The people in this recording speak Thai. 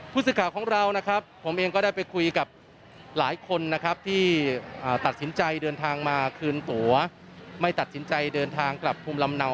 ผู้ศึกขาของเราผมเองก็ได้ไปคุยกับหลายคนที่ตัดสินใจเดินทางมาคืนตัวไม่ตัดสินใจเดินทางกลับพุมลำเนา